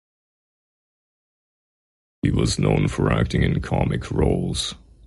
He was known for acting in comic roles.